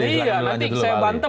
iya nanti saya bantah